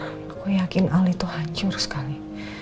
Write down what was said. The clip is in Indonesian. aku yakin ali itu hancur sekali